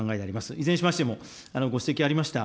いずれにしましても、ご指摘ありました